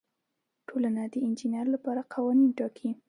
ټولنه د انجینر لپاره قوانین ټاکي.